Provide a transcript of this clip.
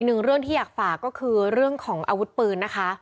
หนึ่งเรื่องที่อยากฝากก็คือเรื่องของอาวุธปืนนะคะ